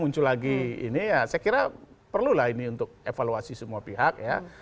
saya kira perlulah ini untuk evaluasi semua pihak